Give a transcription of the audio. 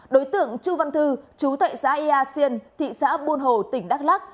đối tượng chú văn thư chú tại xã ia xiên thị xã buôn hồ tỉnh đắk lắc